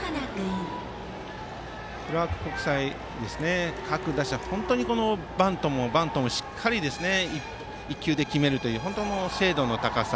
クラーク国際の各打者はバントもしっかり１球で決めるという精度の高さ。